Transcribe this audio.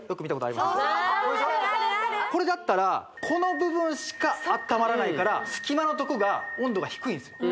あるあるこれでしょこれだったらこの部分しかあったまらないから隙間のとこが温度が低いんですよ